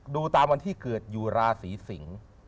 ดูตามวันที่เกิดอยู่ราศีสิงศ์